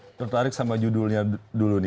aku tertarik sama judulnya dulu